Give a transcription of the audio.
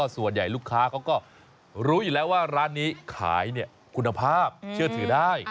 ส่วนใหญ่ลูกค้าเขาก็รู้อยู่แล้วว่าร้านนี้ขายคุณภาพเชื่อถือได้